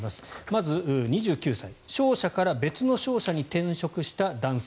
まず２９歳、商社から別の商社に転職した男性。